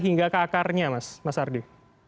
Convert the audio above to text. hingga ke akarnya mas mas ardi